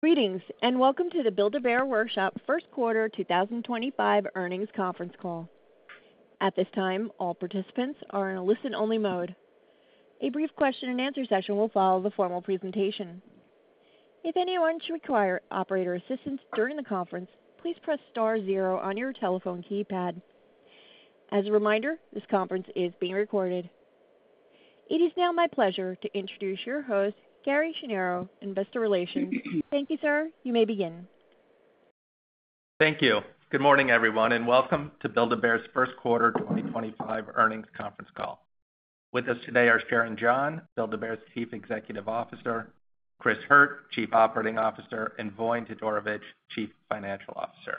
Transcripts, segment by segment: Greetings and welcome to the Build-A-Bear Workshop first quarter 2025 earnings conference call. At this time, all participants are in a listen-only mode. A brief question-and-answer session will follow the formal presentation. If anyone should require operator assistance during the conference, please press star zero on your telephone keypad. As a reminder, this conference is being recorded. It is now my pleasure to introduce your host, Gary Schnierow, Investor Relations. Thank you, sir. You may begin. Thank you. Good morning, everyone, and welcome to Build-A-Bear Workshop's First Quarter 2025 earnings conference call. With us today are Sharon John, Build-A-Bear Workshop's Chief Executive Officer; Chris Hurt, Chief Operating Officer; and Voin Todorovic, Chief Financial Officer.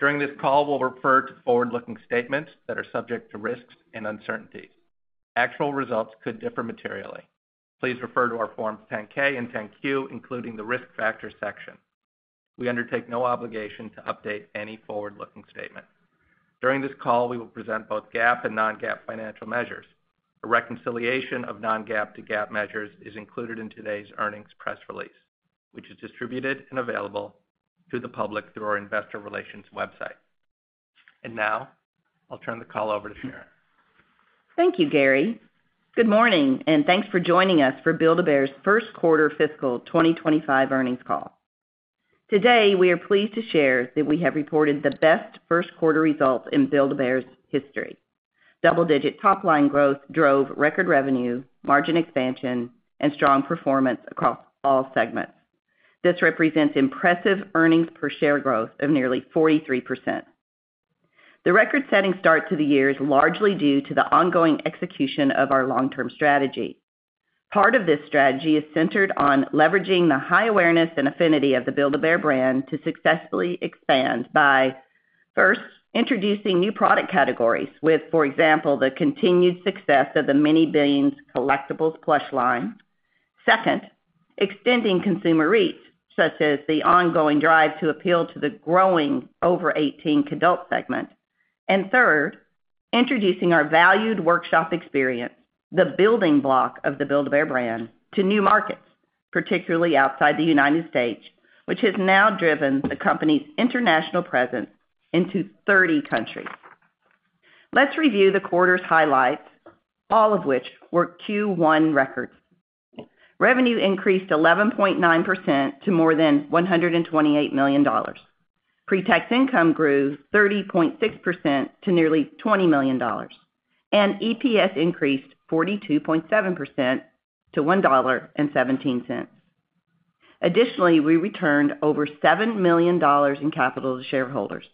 During this call, we'll refer to forward-looking statements that are subject to risks and uncertainties. Actual results could differ materially. Please refer to our Forms 10-K and 10-Q, including the risk factor section. We undertake no obligation to update any forward-looking statement. During this call, we will present both GAAP and non-GAAP financial measures. A reconciliation of non-GAAP to GAAP measures is included in today's earnings press release, which is distributed and available to the public through our Investor Relations website. Now, I'll turn the call over to Sharon. Thank you, Gary. Good morning, and thanks for joining us for Build-A-Bear Workshop's first quarter fiscal 2025 earnings call. Today, we are pleased to share that we have reported the best first-quarter results in Build-A-Bear Workshop's history. Double-digit top-line growth drove record revenue, margin expansion, and strong performance across all segments. This represents impressive earnings per share growth of nearly 43%. The record-setting start to the year is largely due to the ongoing execution of our long-term strategy. Part of this strategy is centered on leveraging the high awareness and affinity of the Build-A-Bear Workshop brand to successfully expand by, first, introducing new product categories with, for example, the continued success of the Mini Beans collectibles plush line. Second, extending consumer reach, such as the ongoing drive to appeal to the growing over 18 adult segment. Third, introducing our valued workshop experience, the building block of the Build-A-Bear brand, to new markets, particularly outside the U.S., which has now driven the company's international presence into 30 countries. Let's review the quarter's highlights, all of which were Q1 records. Revenue increased 11.9% to more than $128 million. Pretax income grew 30.6% to nearly $20 million, and EPS increased 42.7% to $1.17. Additionally, we returned over $7 million in capital to shareholders.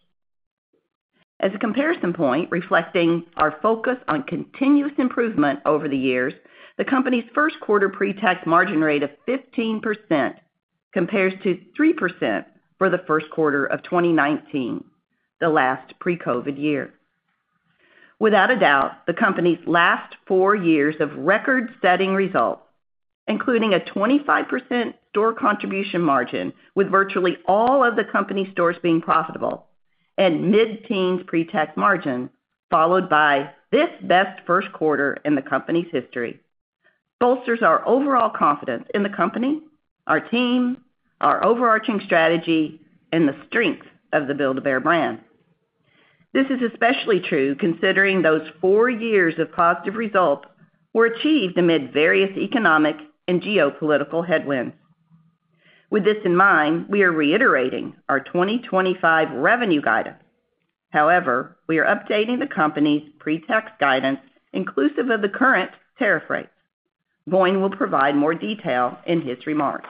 As a comparison point reflecting our focus on continuous improvement over the years, the company's first-quarter pretax margin rate of 15% compares to 3% for the first quarter of 2019, the last pre-COVID year. Without a doubt, the company's last four years of record-setting results, including a 25% store contribution margin with virtually all of the company stores being profitable, and mid-teens pretax margin, followed by this best first quarter in the company's history, bolsters our overall confidence in the company, our team, our overarching strategy, and the strength of the Build-A-Bear brand. This is especially true considering those four years of positive results were achieved amid various economic and geopolitical headwinds. With this in mind, we are reiterating our 2025 revenue guidance. However, we are updating the company's pretax guidance inclusive of the current tariff rates. Voin will provide more detail in his remarks.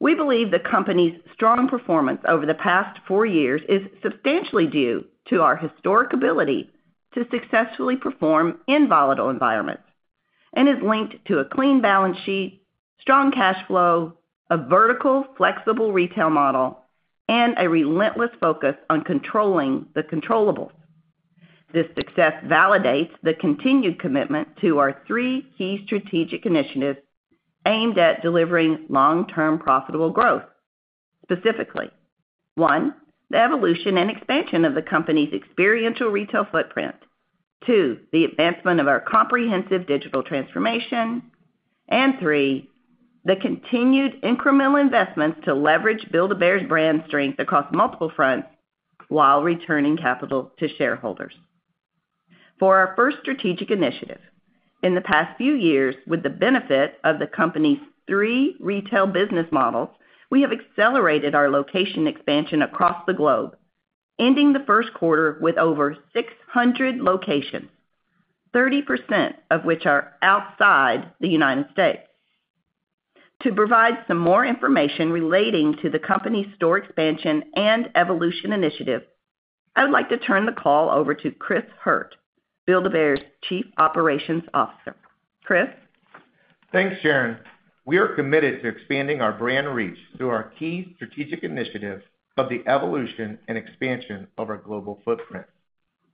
We believe the company's strong performance over the past four years is substantially due to our historic ability to successfully perform in volatile environments and is linked to a clean balance sheet, strong cash flow, a vertical flexible retail model, and a relentless focus on controlling the controllable. This success validates the continued commitment to our three key strategic initiatives aimed at delivering long-term profitable growth. Specifically, one, the evolution and expansion of the company's experiential retail footprint; two, the advancement of our comprehensive digital transformation; and three, the continued incremental investments to leverage Build-A-Bear's brand strength across multiple fronts while returning capital to shareholders. For our first strategic initiative, in the past few years, with the benefit of the company's three retail business models, we have accelerated our location expansion across the globe, ending the first quarter with over 600 locations, 30% of which are outside the U.S. To provide some more information relating to the company's store expansion and evolution initiative, I would like to turn the call over to Chris Hurt, Build-A-Bear's Chief Operations Officer. Chris. Thanks, Sharon. We are committed to expanding our brand reach through our key strategic initiatives of the evolution and expansion of our global footprint.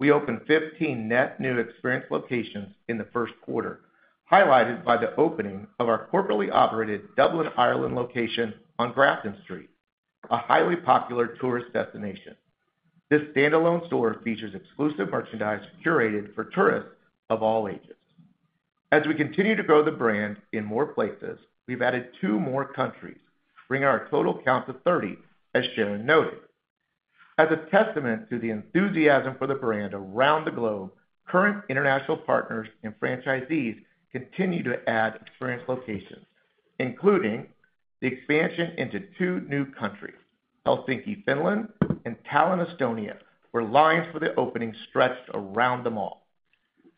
We opened 15 net new experience locations in the first quarter, highlighted by the opening of our corporately operated Dublin, Ireland location on Grafton Street, a highly popular tourist destination. This standalone store features exclusive merchandise curated for tourists of all ages. As we continue to grow the brand in more places, we've added two more countries, bringing our total count to 30, as Sharon noted. As a testament to the enthusiasm for the brand around the globe, current international partners and franchisees continue to add experience locations, including the expansion into two new countries, Helsinki, Finland, and Tallinn, Estonia, where lines for the opening stretched around the mall.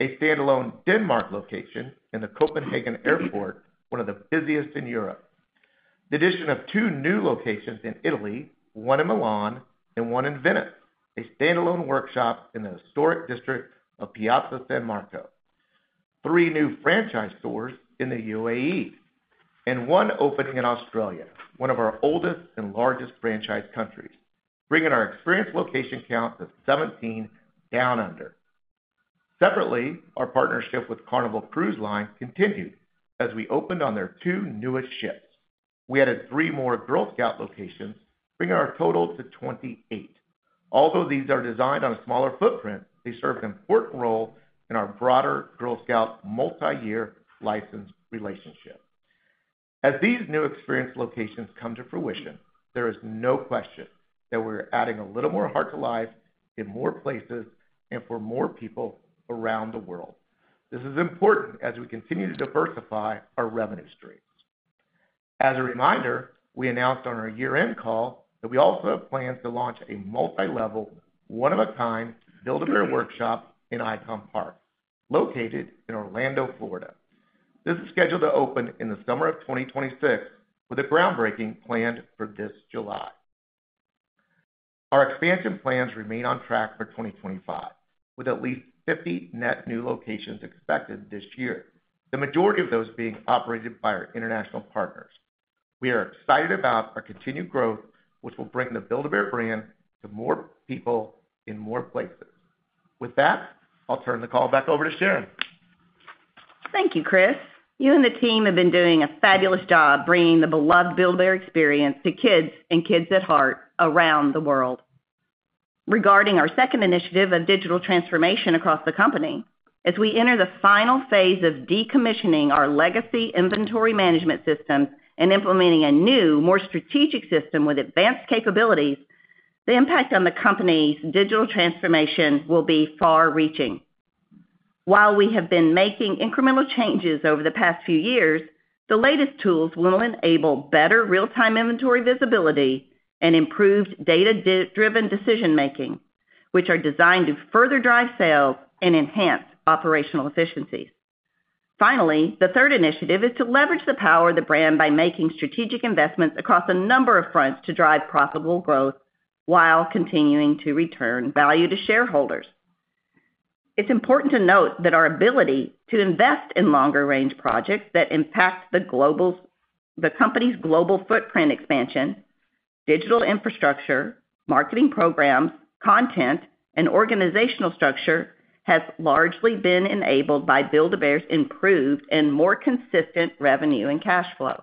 A standalone Denmark location in the Copenhagen Airport, one of the busiest in Europe. The addition of two new locations in Italy, one in Milan and one in Venice, a standalone workshop in the historic district of Piazza San Marco, three new franchise stores in the UAE, and one opening in Australia, one of our oldest and largest franchise countries, bringing our experience location count to 17 down under. Separately, our partnership with Carnival Cruise Line continued as we opened on their two newest ships. We added three more Girl Scout locations, bringing our total to 28. Although these are designed on a smaller footprint, they serve an important role in our broader Girl Scout multi-year license relationship. As these new experience locations come to fruition, there is no question that we're adding a little more heart to life in more places and for more people around the world. This is important as we continue to diversify our revenue streams. As a reminder, we announced on our year-end call that we also have plans to launch a multi-level, one-of-a-kind Build-A-Bear Workshop in Icon Park, located in Orlando, Florida. This is scheduled to open in the summer of 2026, with a groundbreaking planned for this July. Our expansion plans remain on track for 2025, with at least 50 net new locations expected this year, the majority of those being operated by our international partners. We are excited about our continued growth, which will bring the Build-A-Bear brand to more people in more places. With that, I'll turn the call back over to Sharon. Thank you, Chris. You and the team have been doing a fabulous job bringing the beloved Build-A-Bear Workshop experience to kids and kids at heart around the world. Regarding our second initiative of digital transformation across the company, as we enter the final phase of decommissioning our legacy inventory management systems and implementing a new, more strategic system with advanced capabilities, the impact on the company's digital transformation will be far-reaching. While we have been making incremental changes over the past few years, the latest tools will enable better real-time inventory visibility and improved data-driven decision-making, which are designed to further drive sales and enhance operational efficiencies. Finally, the third initiative is to leverage the power of the brand by making strategic investments across a number of fronts to drive profitable growth while continuing to return value to shareholders. It's important to note that our ability to invest in longer-range projects that impact the company's global footprint expansion, digital infrastructure, marketing programs, content, and organizational structure has largely been enabled by Build-A-Bear's improved and more consistent revenue and cash flow.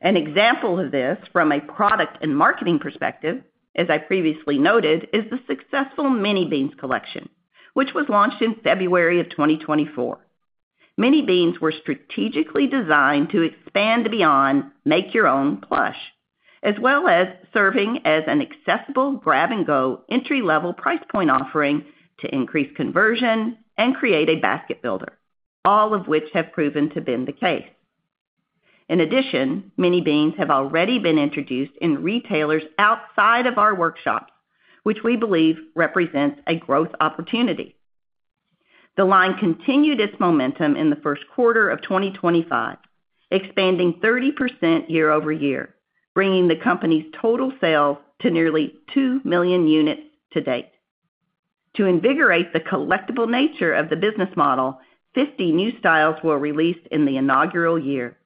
An example of this from a product and marketing perspective, as I previously noted, is the successful Mini Beans collection, which was launched in February of 2024. Mini Beans were strategically designed to expand beyond make-your-own plush, as well as serving as an accessible grab-and-go entry-level price point offering to increase conversion and create a basket builder, all of which have proven to have been the case. In addition, Mini Beans have already been introduced in retailers outside of our workshops, which we believe represents a growth opportunity. The line continued its momentum in the first quarter of 2025, expanding 30% year over year, bringing the company's total sales to nearly 2 million units to date. To invigorate the collectible nature of the business model, 50 new styles were released in the inaugural year,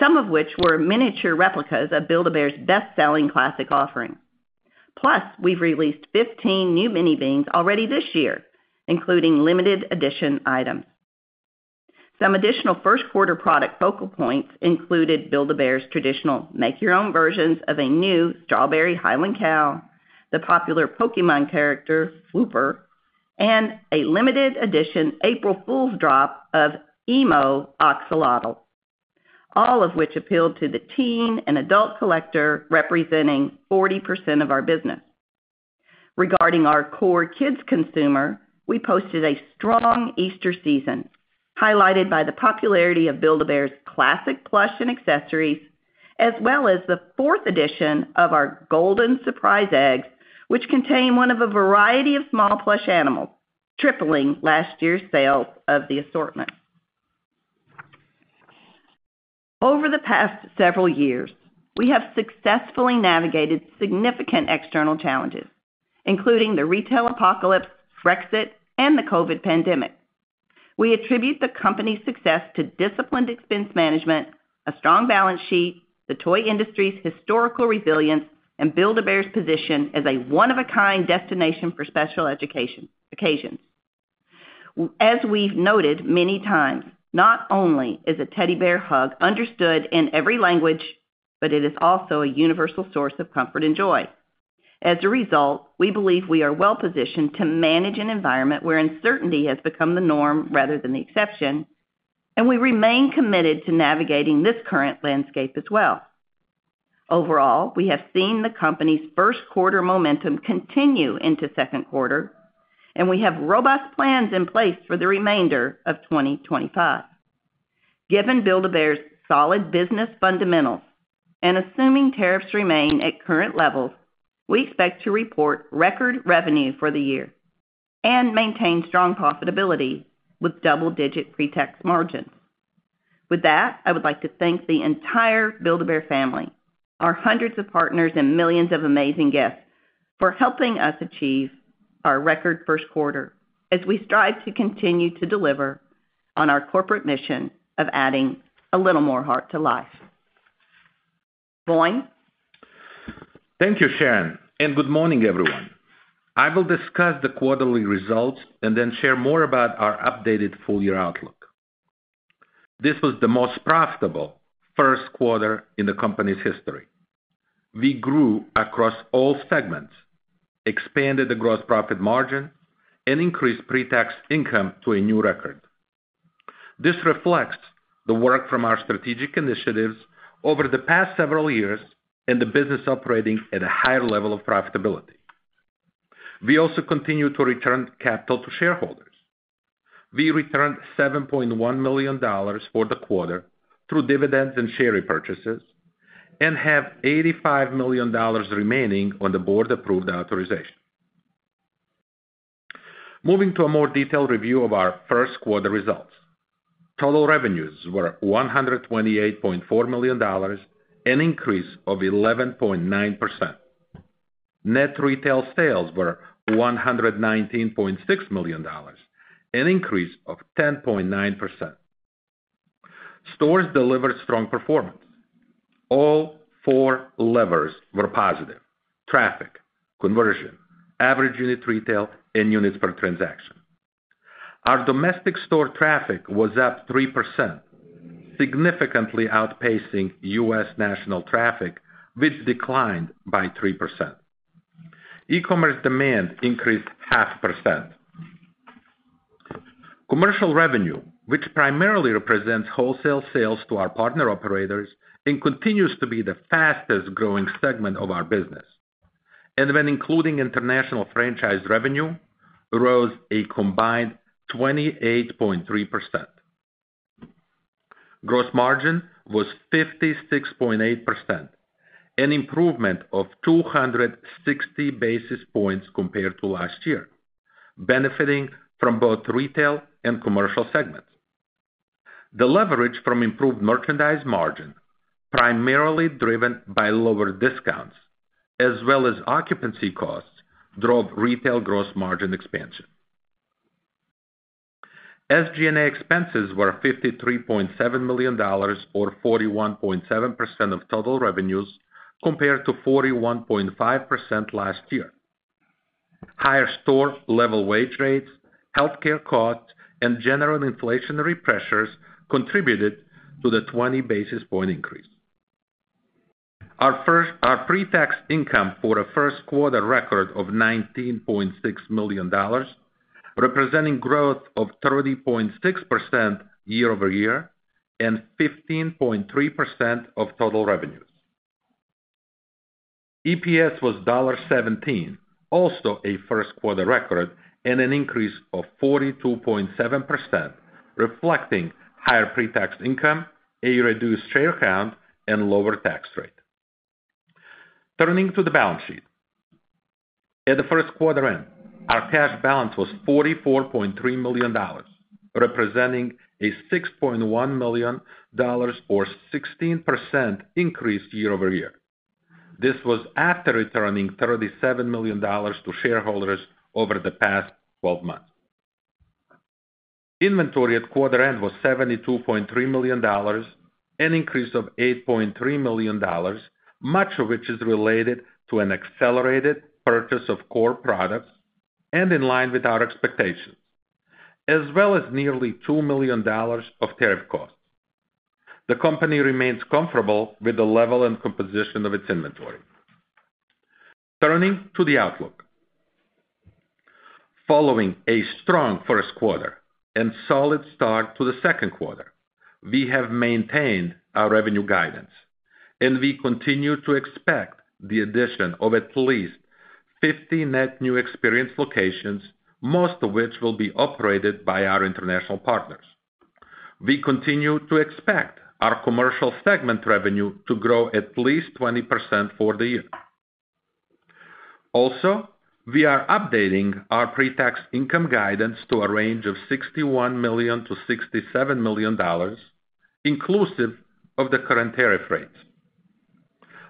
some of which were miniature replicas of Build-A-Bear's best-selling classic offering. Plus, we've released 15 new Mini Beans already this year, including limited edition items. Some additional first-quarter product focal points included Build-A-Bear's traditional make-your-own versions of a new Strawberry Highland Cow, the popular Pokémon character Flopper, and a limited edition April Fool's drop of Emo Oshawott, all of which appealed to the teen and adult collector representing 40% of our business. Regarding our core kids consumer, we posted a strong Easter season, highlighted by the popularity of Build-A-Bear's classic plush and accessories, as well as the fourth edition of our Golden Surprise Eggs, which contain one of a variety of small plush animals, tripling last year's sales of the assortment. Over the past several years, we have successfully navigated significant external challenges, including the retail apocalypse, Brexit, and the COVID pandemic. We attribute the company's success to disciplined expense management, a strong balance sheet, the toy industry's historical resilience, and Build-A-Bear's position as a one-of-a-kind destination for special occasion celebrations. As we've noted many times, not only is a teddy bear hug understood in every language, but it is also a universal source of comfort and joy. As a result, we believe we are well-positioned to manage an environment where uncertainty has become the norm rather than the exception, and we remain committed to navigating this current landscape as well. Overall, we have seen the company's first quarter momentum continue into second quarter, and we have robust plans in place for the remainder of 2025. Given Build-A-Bear's solid business fundamentals and assuming tariffs remain at current levels, we expect to report record revenue for the year and maintain strong profitability with double-digit pretax margins. With that, I would like to thank the entire Build-A-Bear family, our hundreds of partners, and millions of amazing guests for helping us achieve our record first quarter as we strive to continue to deliver on our corporate mission of adding a little more heart to life. Voin. Thank you, Sharon, and good morning, everyone. I will discuss the quarterly results and then share more about our updated full-year outlook. This was the most profitable first quarter in the company's history. We grew across all segments, expanded the gross profit margin, and increased pretax income to a new record. This reflects the work from our strategic initiatives over the past several years and the business operating at a higher level of profitability. We also continue to return capital to shareholders. We returned $7.1 million for the quarter through dividends and share repurchases and have $85 million remaining on the board-approved authorization. Moving to a more detailed review of our first quarter results, total revenues were $128.4 million, an increase of 11.9%. Net retail sales were $119.6 million, an increase of 10.9%. Stores delivered strong performance. All four levers were positive: traffic, conversion, average unit retail, and units per transaction. Our domestic store traffic was up 3%, significantly outpacing U.S. national traffic, which declined by 3%. E-commerce demand increased 0.5%. Commercial revenue, which primarily represents wholesale sales to our partner operators, continues to be the fastest-growing segment of our business. When including international franchise revenue, it rose a combined 28.3%. Gross margin was 56.8%, an improvement of 260 basis points compared to last year, benefiting from both retail and commercial segments. The leverage from improved merchandise margin, primarily driven by lower discounts, as well as occupancy costs, drove retail gross margin expansion. SG&A expenses were $53.7 million, or 41.7% of total revenues, compared to 41.5% last year. Higher store-level wage rates, healthcare costs, and general inflationary pressures contributed to the 20 basis point increase. Our pretax income for a first quarter record of $19.6 million, representing growth of 30.6% year over year and 15.3% of total revenues. EPS was $1.17, also a first quarter record, and an increase of 42.7%, reflecting higher pretax income, a reduced share count, and lower tax rate. Turning to the balance sheet, at the first quarter end, our cash balance was $44.3 million, representing a $6.1 million, or 16% increase year over year. This was after returning $37 million to shareholders over the past 12 months. Inventory at quarter end was $72.3 million, an increase of $8.3 million, much of which is related to an accelerated purchase of core products and in line with our expectations, as well as nearly $2 million of tariff costs. The company remains comfortable with the level and composition of its inventory. Turning to the outlook, following a strong first quarter and solid start to the second quarter, we have maintained our revenue guidance, and we continue to expect the addition of at least 50 net new experience locations, most of which will be operated by our international partners. We continue to expect our commercial segment revenue to grow at least 20% for the year. Also, we are updating our pretax income guidance to a range of $61 million-$67 million, inclusive of the current tariff rates.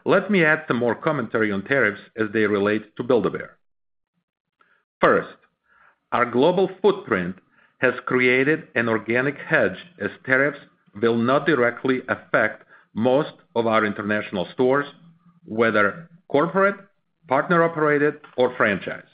Let me add some more commentary on tariffs as they relate to Build-A-Bear. First, our global footprint has created an organic hedge as tariffs will not directly affect most of our international stores, whether corporate, partner-operated, or franchise.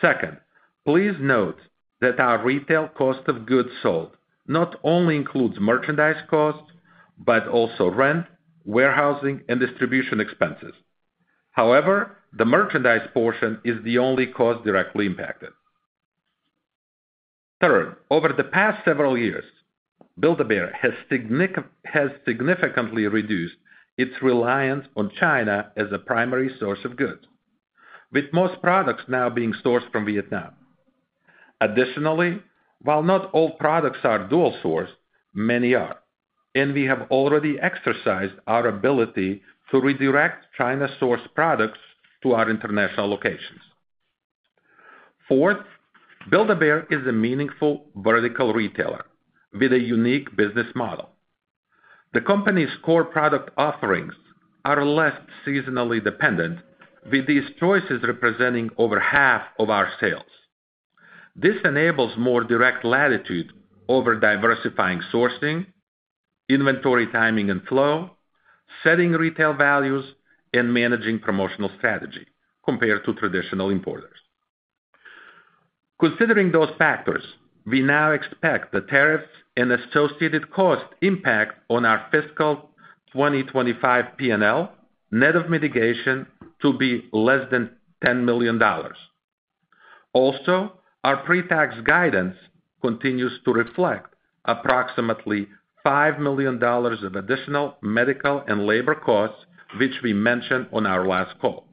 Second, please note that our retail cost of goods sold not only includes merchandise costs, but also rent, warehousing, and distribution expenses. However, the merchandise portion is the only cost directly impacted. Third, over the past several years, Build-A-Bear Workshop has significantly reduced its reliance on China as a primary source of goods, with most products now being sourced from Vietnam. Additionally, while not all products are dual-sourced, many are, and we have already exercised our ability to redirect China-sourced products to our international locations. Fourth, Build-A-Bear Workshop is a meaningful vertical retailer with a unique business model. The company's core product offerings are less seasonally dependent, with these choices representing over half of our sales. This enables more direct latitude over diversifying sourcing, inventory timing and flow, setting retail values, and managing promotional strategy compared to traditional importers. Considering those factors, we now expect the tariffs and associated cost impact on our fiscal 2025 P&L net of mitigation to be less than $10 million. Also, our pretax guidance continues to reflect approximately $5 million of additional medical and labor costs, which we mentioned on our last call.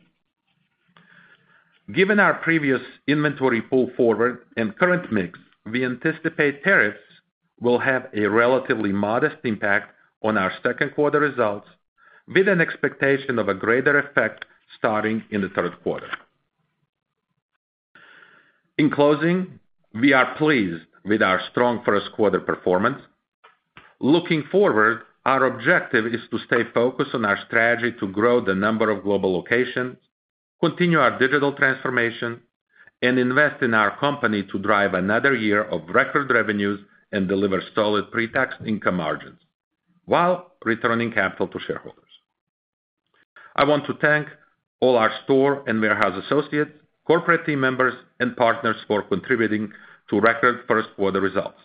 Given our previous inventory pull forward and current mix, we anticipate tariffs will have a relatively modest impact on our second quarter results, with an expectation of a greater effect starting in the third quarter. In closing, we are pleased with our strong first quarter performance. Looking forward, our objective is to stay focused on our strategy to grow the number of global locations, continue our digital transformation, and invest in our company to drive another year of record revenues and deliver solid pretax income margins while returning capital to shareholders. I want to thank all our store and warehouse associates, corporate team members, and partners for contributing to record first quarter results.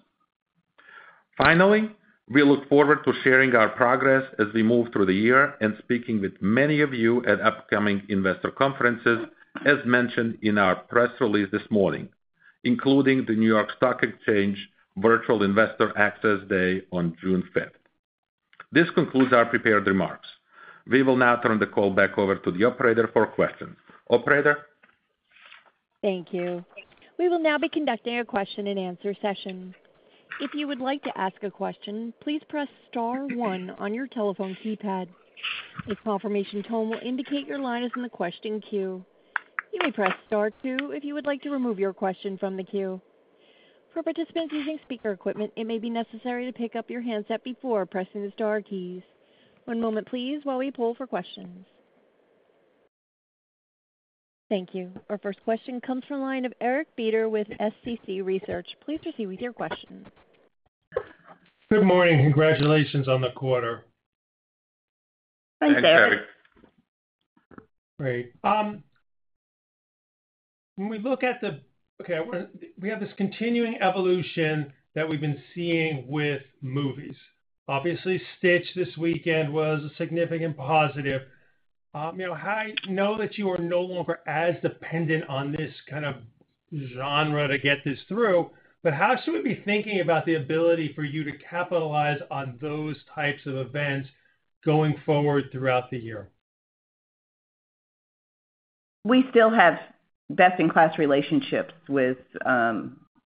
Finally, we look forward to sharing our progress as we move through the year and speaking with many of you at upcoming investor conferences, as mentioned in our press release this morning, including the New York Stock Exchange Virtual Investor Access Day on June 5th. This concludes our prepared remarks. We will now turn the call back over to the operator for questions. Operator. Thank you. We will now be conducting a question-and-answer session. If you would like to ask a question, please press star one on your telephone keypad. A confirmation tone will indicate your line is in the question queue. You may press star two if you would like to remove your question from the queue. For participants using speaker equipment, it may be necessary to pick up your handset before pressing the star keys. One moment, please, while we pull for questions. Thank you. Our first question comes from the line of Eric Bader with SCC Research. Please proceed with your question. Good morning. Congratulations on the quarter. Thanks, Eric. Thanks, Eric. Great. When we look at the—okay, we have this continuing evolution that we've been seeing with movies. Obviously, Stitch this weekend was a significant positive. I know that you are no longer as dependent on this kind of genre to get this through, but how should we be thinking about the ability for you to capitalize on those types of events going forward throughout the year? We still have best-in-class relationships with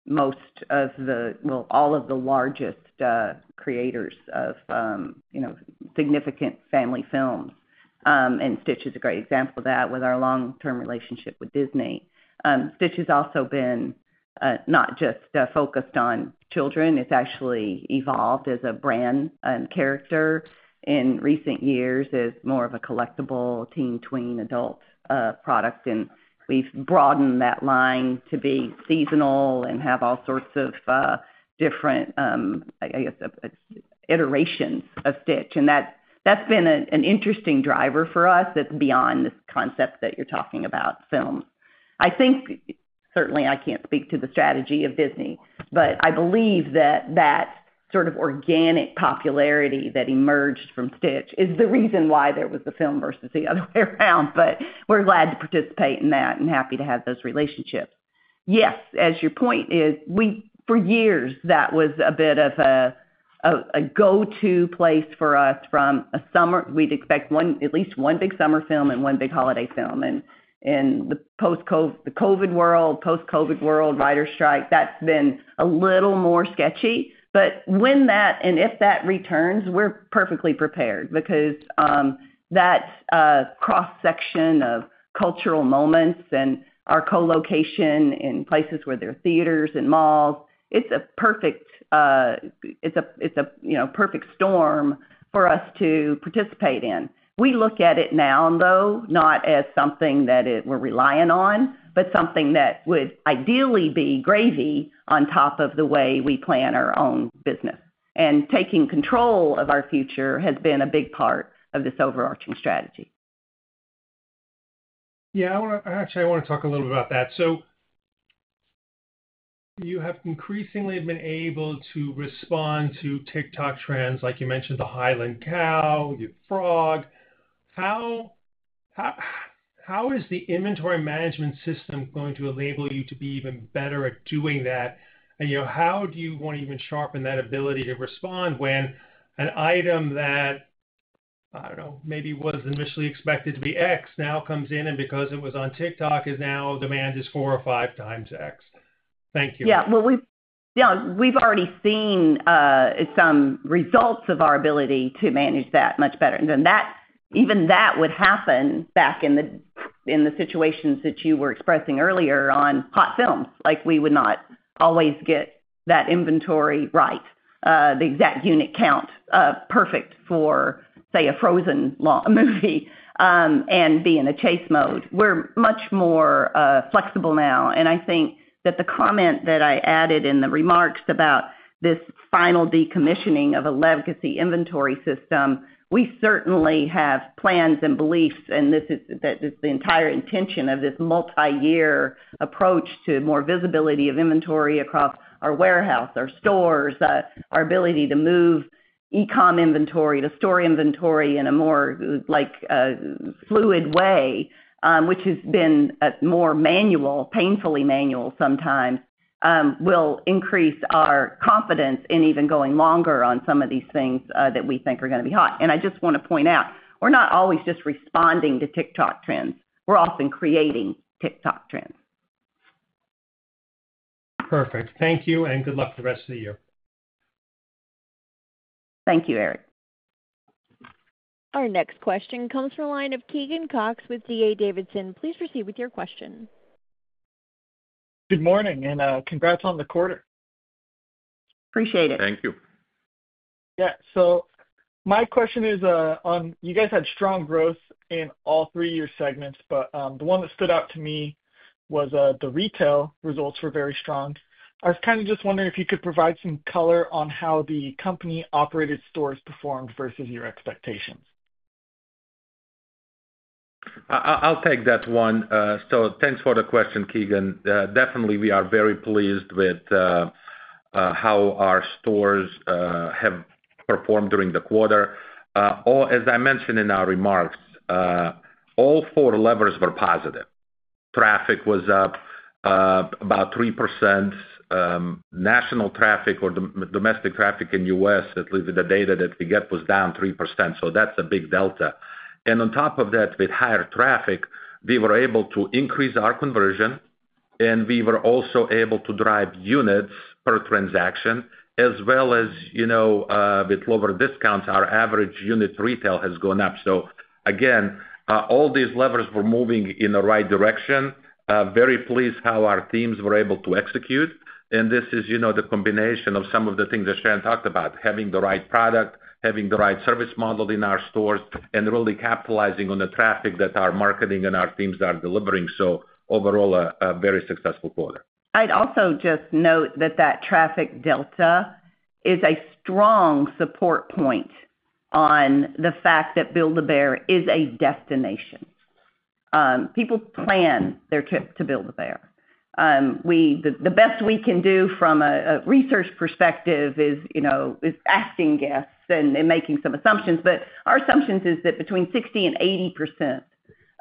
most of the—well, all of the largest creators of significant family films. Stitch is a great example of that with our long-term relationship with Disney. Stitch has also been not just focused on children. It has actually evolved as a brand and character in recent years as more of a collectible teen-tween adult product. We have broadened that line to be seasonal and have all sorts of different, I guess, iterations of Stitch. That has been an interesting driver for us that is beyond this concept that you are talking about, films. I think certainly I cannot speak to the strategy of Disney, but I believe that that sort of organic popularity that emerged from Stitch is the reason why there was the film versus the other way around. We are glad to participate in that and happy to have those relationships. Yes, as your point is, for years, that was a bit of a go-to place for us from a summer. We'd expect at least one big summer film and one big holiday film. In the post-COVID world, post-COVID world, writer's strike, that's been a little more sketchy. When that—and if that returns, we're perfectly prepared because that cross-section of cultural moments and our co-location in places where there are theaters and malls, it's a perfect, it's a perfect storm for us to participate in. We look at it now, though, not as something that we're relying on, but something that would ideally be gravy on top of the way we plan our own business. Taking control of our future has been a big part of this overarching strategy. Yeah, actually, I want to talk a little bit about that. You have increasingly been able to respond to TikTok trends, like you mentioned, the Highland Cow, your frog. How is the inventory management system going to enable you to be even better at doing that? How do you want to even sharpen that ability to respond when an item that, I don't know, maybe was initially expected to be X now comes in, and because it was on TikTok, now demand is four or five times X? Thank you. Yeah. Yeah, we've already seen some results of our ability to manage that much better. Even that would happen back in the situations that you were expressing earlier on hot films. We would not always get that inventory right, the exact unit count perfect for, say, a Frozen movie and be in a chase mode. We're much more flexible now. I think that the comment that I added in the remarks about this final decommissioning of a legacy inventory system, we certainly have plans and beliefs, and this is the entire intention of this multi-year approach to more visibility of inventory across our warehouse, our stores, our ability to move e-comm inventory to store inventory in a more fluid way, which has been more manual, painfully manual sometimes, will increase our confidence in even going longer on some of these things that we think are going to be hot. I just want to point out, we're not always just responding to TikTok trends. We're often creating TikTok trends. Perfect. Thank you, and good luck for the rest of the year. Thank you, Eric. Our next question comes from the line of Keegan Cox with DA Davidson. Please proceed with your question. Good morning, and congrats on the quarter. Appreciate it. Thank you. Yeah. So my question is on you guys had strong growth in all three of your segments, but the one that stood out to me was the retail results were very strong. I was kind of just wondering if you could provide some color on how the company operated stores performed versus your expectations. I'll take that one. Thanks for the question, Keegan. Definitely, we are very pleased with how our stores have performed during the quarter. As I mentioned in our remarks, all four levers were positive. Traffic was up about 3%. National traffic or domestic traffic in the U.S., at least with the data that we get, was down 3%. That's a big delta. On top of that, with higher traffic, we were able to increase our conversion, and we were also able to drive units per transaction, as well as with lower discounts, our average unit retail has gone up. Again, all these levers were moving in the right direction. Very pleased how our teams were able to execute. This is the combination of some of the things that Sharon talked about: having the right product, having the right service model in our stores, and really capitalizing on the traffic that our marketing and our teams are delivering. Overall, a very successful quarter. I'd also just note that that traffic delta is a strong support point on the fact that Build-A-Bear is a destination. People plan their trip to Build-A-Bear. The best we can do from a research perspective is asking guests and making some assumptions. But our assumption is that between 60% and 80%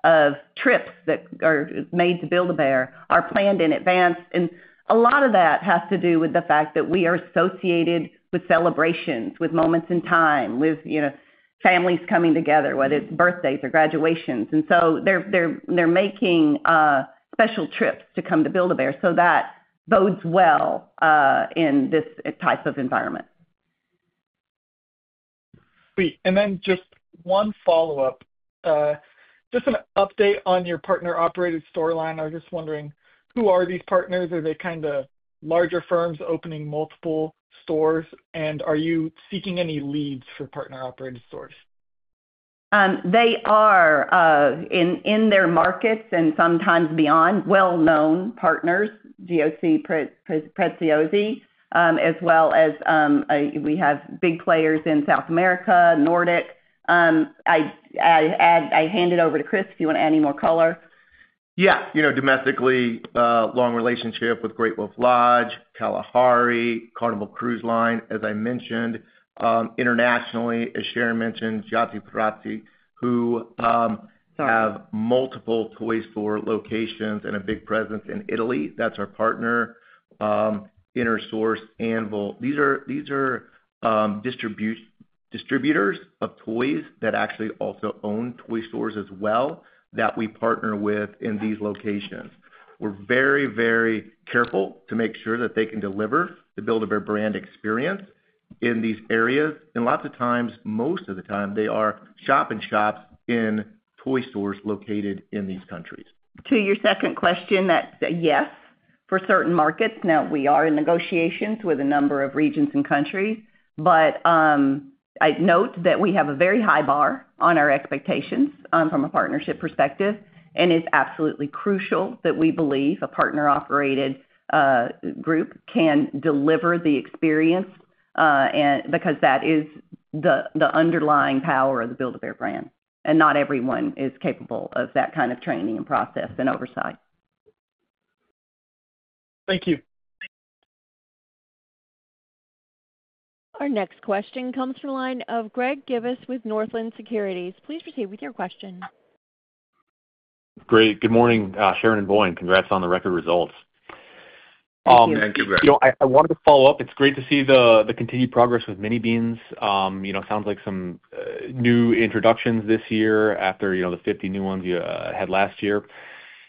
of trips that are made to Build-A-Bear are planned in advance. And a lot of that has to do with the fact that we are associated with celebrations, with moments in time, with families coming together, whether it's birthdays or graduations. And so they're making special trips to come to Build-A-Bear. So that bodes well in this type of environment. Great. Just one follow-up. Just an update on your partner-operated storyline. I was just wondering, who are these partners? Are they kind of larger firms opening multiple stores? Are you seeking any leads for partner-operated stores? They are in their markets and sometimes beyond, well-known partners, Giochi Preziosi, Price & Josie, as well as we have big players in South America, Nordic. I hand it over to Chris if you want to add any more color. Yeah. Domestically, long relationship with Great Wolf Lodge, Kalahari, Carnival Cruise Line, as I mentioned. Internationally, as Sharon mentioned, Giochi Preziosi, who have multiple toy store locations and a big presence in Italy. That's our partner. InnerSource, Anvil. These are distributors of toys that actually also own toy stores as well that we partner with in these locations. We're very, very careful to make sure that they can deliver the Build-A-Bear brand experience in these areas. Lots of times, most of the time, they are shop and shops in toy stores located in these countries. To your second question, that's a yes for certain markets. Now, we are in negotiations with a number of regions and countries. I note that we have a very high bar on our expectations from a partnership perspective. It is absolutely crucial that we believe a partner-operated group can deliver the experience because that is the underlying power of the Build-A-Bear brand. Not everyone is capable of that kind of training and process and oversight. Thank you. Our next question comes from the line of Greg Gibas with Northland Securities. Please proceed with your question. Great. Good morning, Sharon and Voin. Congrats on the record results. Thank you. Thank you, Greg. I wanted to follow up. It's great to see the continued progress with Mini Beans. Sounds like some new introductions this year after the 50 new ones you had last year.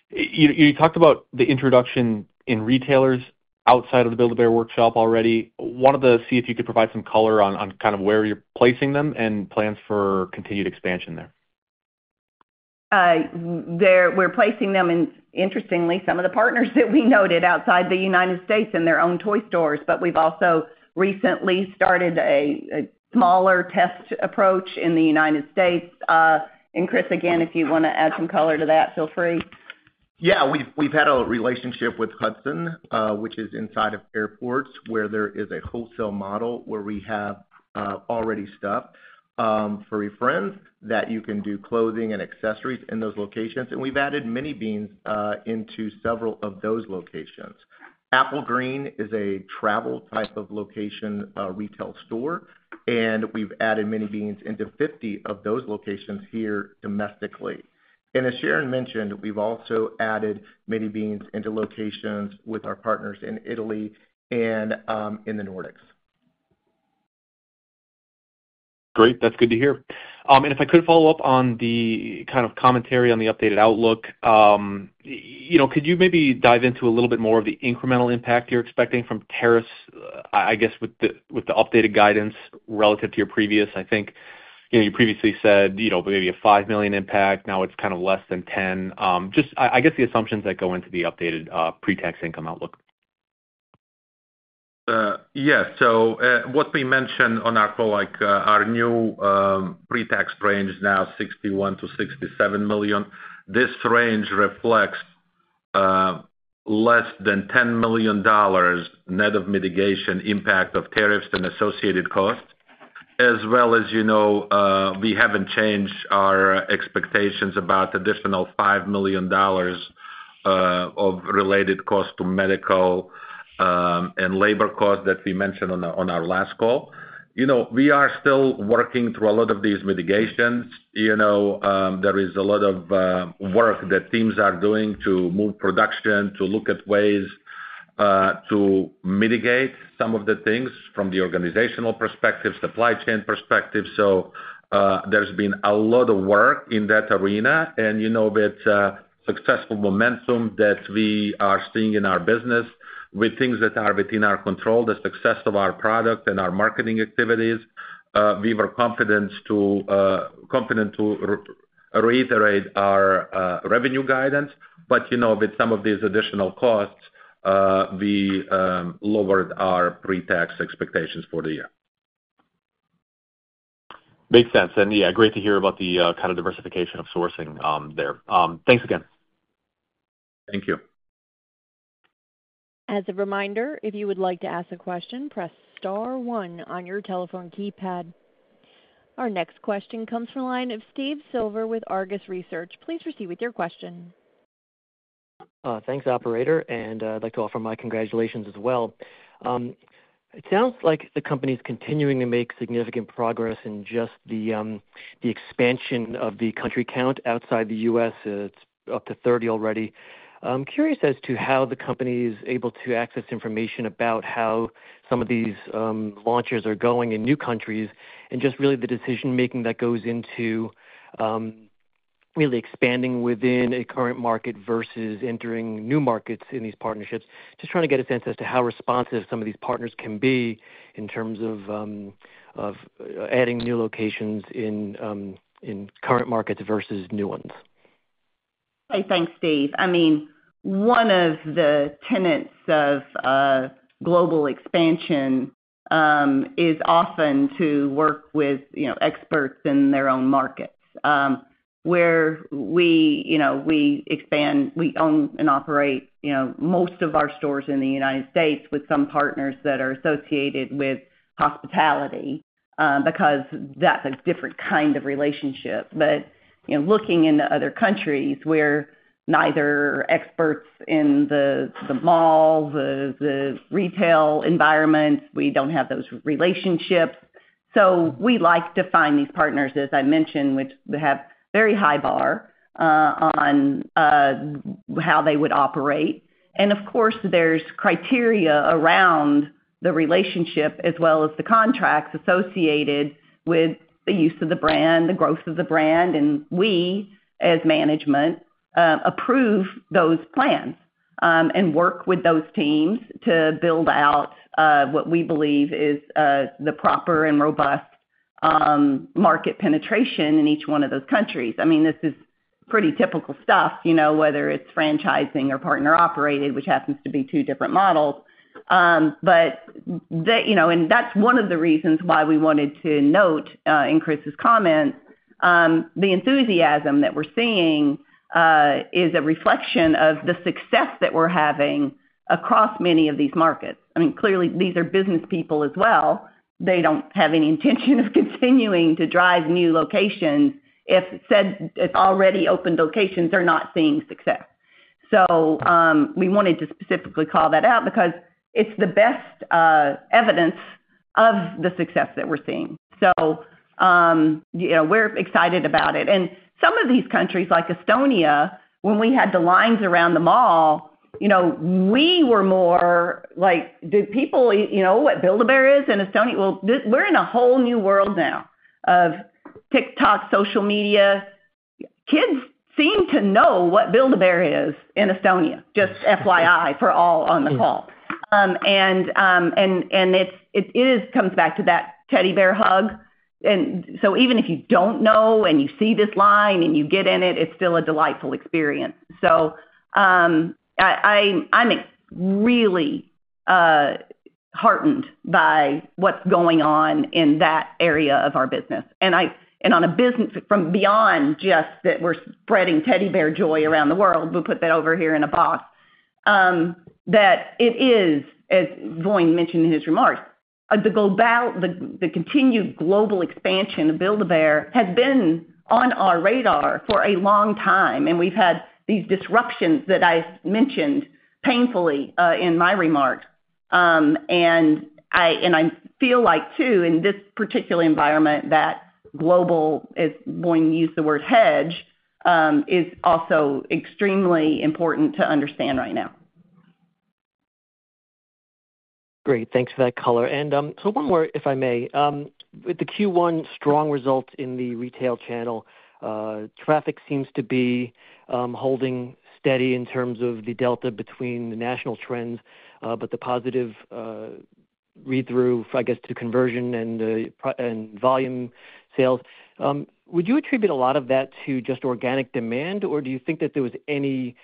You talked about the introduction in retailers outside of the Build-A-Bear Workshop already. Wanted to see if you could provide some color on kind of where you're placing them and plans for continued expansion there. We're placing them, interestingly, some of the partners that we noted outside the U.S. in their own toy stores. We've also recently started a smaller test approach in the U.S. Chris, again, if you want to add some color to that, feel free. Yeah. We've had a relationship with Hudson, which is inside of airports where there is a wholesale model where we have already stuffed Beary Fairy Friends that you can do clothing and accessories in those locations. We have added Mini Beans into several of those locations. Applegreen is a travel type of location retail store. We have added Mini Beans into 50 of those locations here domestically. As Sharon mentioned, we have also added Mini Beans into locations with our partners in Italy and in the Nordics. Great. That's good to hear. If I could follow up on the kind of commentary on the updated outlook, could you maybe dive into a little bit more of the incremental impact you're expecting from tariffs, I guess, with the updated guidance relative to your previous? I think you previously said maybe a $5 million impact. Now it's kind of less than $10 million. Just, I guess, the assumptions that go into the updated pretax income outlook. Yes. What we mentioned on our call, our new pre-tax range is now $61 million-$67 million. This range reflects less than $10 million net of mitigation impact of tariffs and associated costs, as well as we have not changed our expectations about additional $5 million of related costs to medical and labor costs that we mentioned on our last call. We are still working through a lot of these mitigations. There is a lot of work that teams are doing to move production, to look at ways to mitigate some of the things from the organizational perspective, supply chain perspective. There has been a lot of work in that arena. With successful momentum that we are seeing in our business, with things that are within our control, the success of our product and our marketing activities, we were confident to reiterate our revenue guidance. With some of these additional costs, we lowered our pre-tax expectations for the year. Makes sense. Yeah, great to hear about the kind of diversification of sourcing there. Thanks again. Thank you. As a reminder, if you would like to ask a question, press star one on your telephone keypad. Our next question comes from the line of Steve Silver with Argus Research. Please proceed with your question. Thanks, operator. I'd like to offer my congratulations as well. It sounds like the company is continuing to make significant progress in just the expansion of the country count outside the U.S. It's up to 30 already. I'm curious as to how the company is able to access information about how some of these launchers are going in new countries and just really the decision-making that goes into really expanding within a current market versus entering new markets in these partnerships. Just trying to get a sense as to how responsive some of these partners can be in terms of adding new locations in current markets versus new ones. Hey, thanks, Steve. I mean, one of the tenets of global expansion is often to work with experts in their own markets, where we expand, we own and operate most of our stores in the United States with some partners that are associated with hospitality because that's a different kind of relationship. Looking into other countries where neither experts in the mall, the retail environment, we don't have those relationships. We like to find these partners, as I mentioned, which have a very high bar on how they would operate. Of course, there's criteria around the relationship as well as the contracts associated with the use of the brand, the growth of the brand. We, as management, approve those plans and work with those teams to build out what we believe is the proper and robust market penetration in each one of those countries. I mean, this is pretty typical stuff, whether it's franchising or partner-operated, which happens to be two different models. That is one of the reasons why we wanted to note in Chris's comments. The enthusiasm that we're seeing is a reflection of the success that we're having across many of these markets. I mean, clearly, these are business people as well. They do not have any intention of continuing to drive new locations if already opened locations are not seeing success. We wanted to specifically call that out because it is the best evidence of the success that we're seeing. We are excited about it. In some of these countries, like Estonia, when we had the lines around the mall, we were more like, "Do people know what Build-A-Bear is in Estonia?" We are in a whole new world now of TikTok, social media. Kids seem to know what Build-A-Bear is in Estonia, just FYI for all on the call. It comes back to that teddy bear hug. Even if you do not know and you see this line and you get in it, it is still a delightful experience. I am really heartened by what is going on in that area of our business. On a business from beyond just that we are spreading teddy bear joy around the world, we will put that over here in a box, that it is, as Voin mentioned in his remarks, the continued global expansion of Build-A-Bear has been on our radar for a long time. We have had these disruptions that I mentioned painfully in my remarks. I feel like, too, in this particular environment, that global, as Voin used the word hedge, is also extremely important to understand right now. Great. Thanks for that color. One more, if I may. With the Q1 strong results in the retail channel, traffic seems to be holding steady in terms of the delta between the national trends, but the positive read-through, I guess, to conversion and volume sales. Would you attribute a lot of that to just organic demand, or do you think that there was any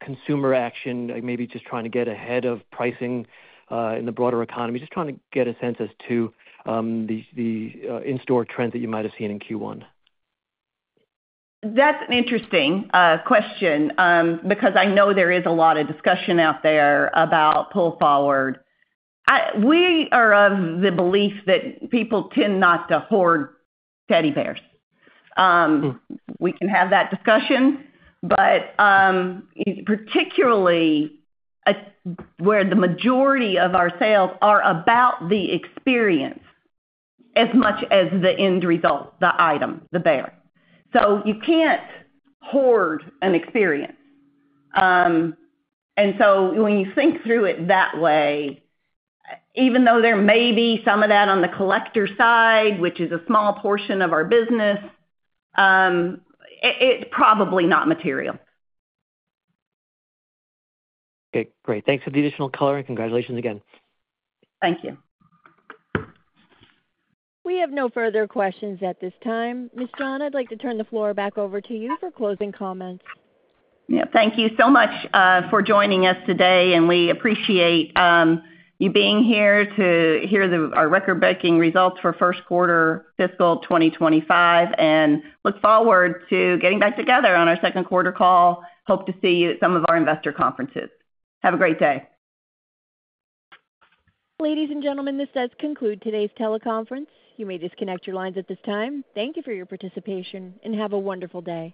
consumer action, maybe just trying to get ahead of pricing in the broader economy, just trying to get a sense as to the in-store trends that you might have seen in Q1? That's an interesting question because I know there is a lot of discussion out there about pull forward. We are of the belief that people tend not to hoard teddy bears. We can have that discussion, but particularly where the majority of our sales are about the experience as much as the end result, the item, the bear. You can't hoard an experience. When you think through it that way, even though there may be some of that on the collector side, which is a small portion of our business, it's probably not material. Okay. Great. Thanks for the additional color and congratulations again. Thank you. We have no further questions at this time. Ms. John, I'd like to turn the floor back over to you for closing comments. Yeah. Thank you so much for joining us today. We appreciate you being here to hear our record-breaking results for first quarter fiscal 2025. We look forward to getting back together on our second quarter call. Hope to see you at some of our investor conferences. Have a great day. Ladies and gentlemen, this does conclude today's teleconference. You may disconnect your lines at this time. Thank you for your participation and have a wonderful day.